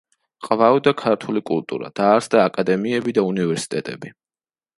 ყვაოდა ქართული კულტურა, დაარსდა აკადემიები და უნივერსიტეტები.